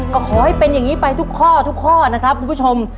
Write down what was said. ขอให้เป็นอย่างนี้ไปทุกข้อนะครับคุณผู้ชม